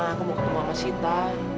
aku mau ketemu sama sita